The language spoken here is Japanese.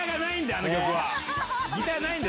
あの曲は。